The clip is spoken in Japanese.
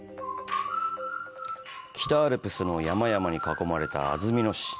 北アルプスの山々に囲まれた安曇野市。